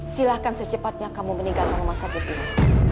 silahkan secepatnya kamu meninggalkan rumah sakit ini